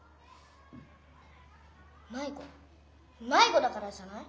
迷子迷子だからじゃない？